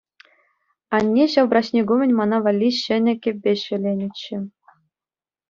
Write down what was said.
Анне ҫав праҫник умӗн мана валли сӗнӗ кӗпе ҫӗленӗччӗ.